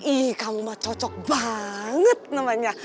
ih kamu mah cocok banget namanya